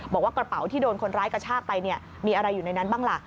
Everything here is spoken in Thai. บอกว่ากระเป๋าที่โดนคนร้ายกระชากไปมีอะไรอยู่ในนั้นบ้างล่ะ